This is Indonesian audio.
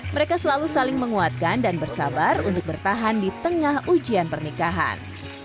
mereka selalu saling menguatkan dan bersabar untuk bertahan di tengah ujian pernikahan